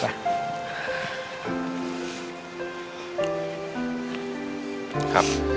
ลูกมา